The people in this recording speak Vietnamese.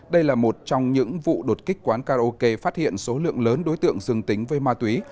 đây là một trong những vụ đột kích quán karaoke phát hiện số lượng lớn đối tượng dương tính với ma túy